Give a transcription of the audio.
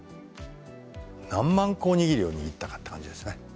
何万個お握りを握ったかって感じですね。